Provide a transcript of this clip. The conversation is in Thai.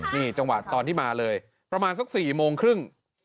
นี่จังหวะตอนที่มาเลยประมาณสัก๔โมงครึ่ง